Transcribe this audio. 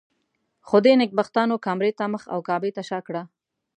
خو دې نېکبختانو کامرې ته مخ او کعبې ته شا کړه.